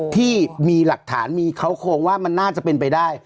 ที่มีหลักฐานมีเขาโครงว่ามันน่าจะเป็นไปได้